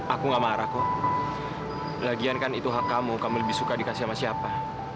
aku gak marah kok lagian kan itu hak kamu kamu lebih suka dikasih sama siapa